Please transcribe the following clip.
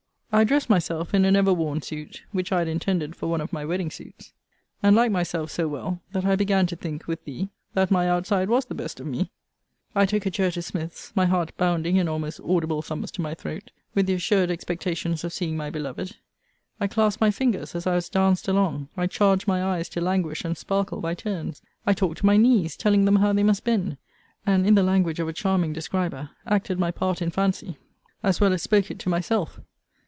I dressed myself in a never worn suit, which I had intended for one of my wedding suits; and liked myself so well, that I began to think, with thee, that my outside was the best of me: I took a chair to Smith's, my heart bounding in almost audible thumps to my throat, with the assured expectations of seeing my beloved. I clasped my fingers, as I was danced along: I charged my eyes to languish and sparkle by turns: I talked to my knees, telling them how they must bend; and, in the language of a charming describer, acted my part in fancy, as well as spoke it to myself.